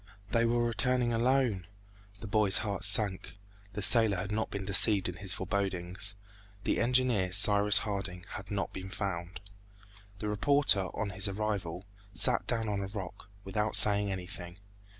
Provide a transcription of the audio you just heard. They were returning alone!... The boy's heart sank; the sailor had not been deceived in his forebodings; the engineer, Cyrus Harding, had not been found! The reporter, on his arrival, sat down on a rock, without saying anything.